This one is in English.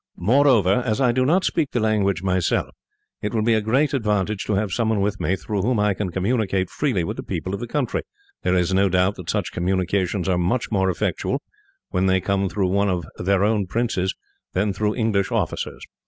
Moreover, as I do not speak the language myself, it will be a great advantage to have someone with me through whom I can communicate freely with the people of the country. There is no doubt that such communications are much more effectual, when they come through one of their own princes, than through English officers.